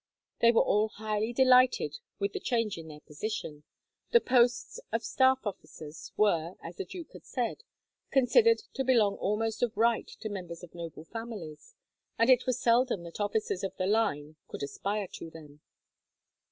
They were all highly delighted with the change in their position. The posts of staff officers were, as the duke had said, considered to belong almost of right to members of noble families, and it was seldom that officers of the line could aspire to them.